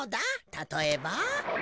たとえば。